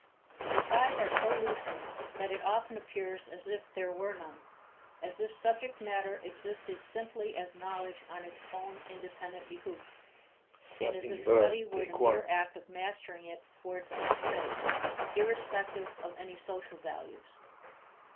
The ties are so loosened that it often appears as if there were none; as if subject matter existed simply as knowledge on its own independent behoof, and as if study were the mere act of mastering it for its own sake, irrespective of any social values.